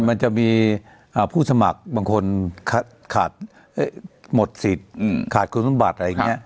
มันจะมีผู้สมัครบางคนขาดหมดสิทธิ์ขาดคุณสมบัติอะไรอย่างนี้